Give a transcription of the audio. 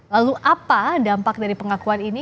lalu apa dampak dari pengakuan ini